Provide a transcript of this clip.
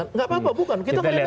nggak apa apa bukan